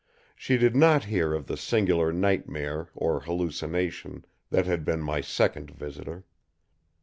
She did not hear of the singular nightmare or hallucination that had been my second visitor.